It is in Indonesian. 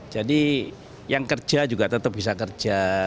jadi yang kerja juga tetap bisa kerja